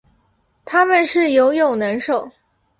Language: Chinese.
它们是游泳能手。